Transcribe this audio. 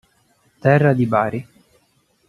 Terra di Bari